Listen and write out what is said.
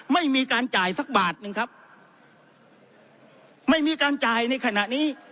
ไม่มีการจ่ายสักบาทหนึ่งครับไม่มีการจ่ายในขณะนี้